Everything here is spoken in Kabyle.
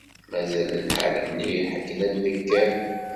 Mazal lḥal mliḥ akken ad d-nenker.